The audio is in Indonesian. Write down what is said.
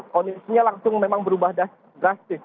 kondisinya langsung memang berubah drastis